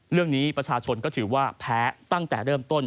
เรื่องนี้ประชาชนก็ถือว่าแพ้ตั้งแต่เริ่มต้น